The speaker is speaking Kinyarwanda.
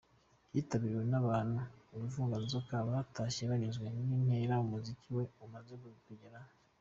Cyitabiriwe n’abantu uruvunganzoka batashye banyuzwe n’intera umuziki we umaze kugeraho.